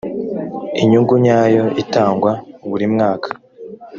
inyungu nyayo itangwa buri mwaka